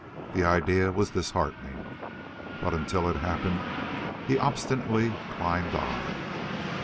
The idea was disheartening. But until it happened he obstinately climbed on.